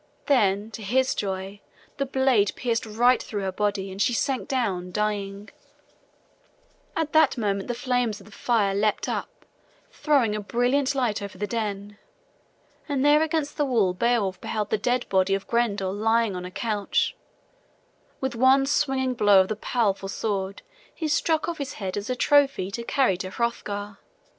Then, to his joy, the blade pierced right through her body and she sank down dying. [Illustration: BEOWULF FACE TO FACE WITH THE FIRE BREATHING DRAGON] At that moment the flames of the fire leapt up, throwing a brilliant light over the den; and there against the wall Beowulf beheld the dead body of Grendel lying on a couch. With one swinging blow of the powerful sword he struck off his head as a trophy to carry to Hrothgar.